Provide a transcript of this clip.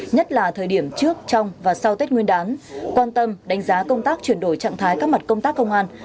nhất là thời điểm trước trong và sau tết nguyên đán quan tâm đánh giá công tác chuyển đổi trạng thái các mặt công tác công an